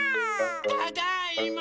ただいま。